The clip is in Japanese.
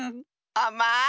あまい！